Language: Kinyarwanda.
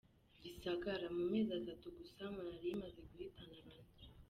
Gisagara: Mu mezi atatu gusa Malariya imaze guhitana bane.